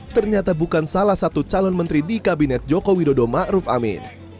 ternyata bukan salah satu calon menteri di kabinet jokowi ma'ruf amin